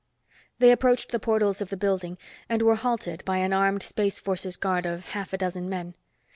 They approached the portals of the building and were halted by an armed Space Forces guard of half a dozen men.